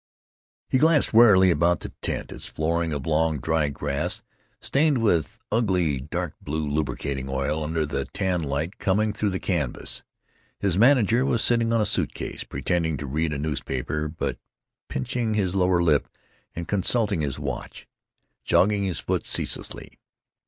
He glanced wearily about the tent, its flooring of long, dry grass stained with ugly dark blue lubricating oil, under the tan light coming through the canvas. His manager was sitting on a suit case, pretending to read a newspaper, but pinching his lower lip and consulting his watch, jogging his foot ceaselessly.